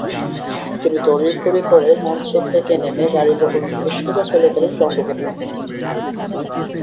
তিনি তড়িঘড়ি করে মঞ্চ থেকে নেমে গাড়িবহর নিয়ে সোজা চলে গেলেন বঙ্গভবনে।